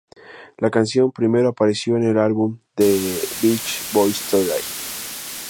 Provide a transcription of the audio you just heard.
La canción primero apareció en el álbum "The Beach Boys Today!